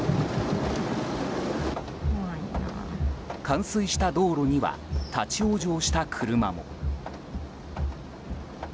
冠水した道路には立ち往生した車も。